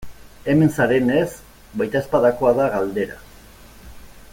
Hemen zarenez, baitezpadakoa da galdera.